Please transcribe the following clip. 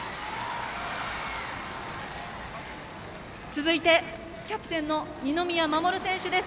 続いて、キャプテンの二宮士選手です。